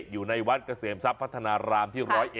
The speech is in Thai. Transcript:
อยู่ในวัดเกษมทรัพย์พัฒนารามที่๑๐๑